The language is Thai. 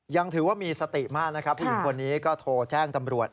ยังถือว่ามีสติมากนะครับผู้หญิงคนนี้ก็โทรแจ้งตำรวจ